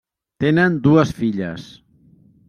Tenen dues filles: